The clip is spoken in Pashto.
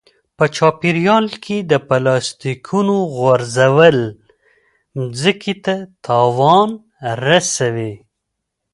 په چاپیریال کې د پلاستیکونو غورځول مځکې ته تاوان رسوي.